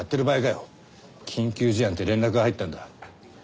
緊急事案って連絡が入ったんだ。